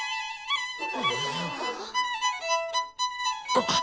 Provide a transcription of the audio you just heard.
あっ！